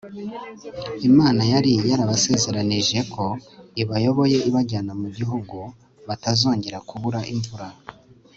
Imana yari yarabasezeraniye ko ibayoboye ibajyana mu gihugu batazongera kubura imvura